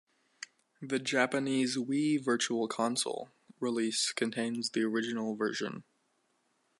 The Japanese Wii Virtual Console release contains the original version.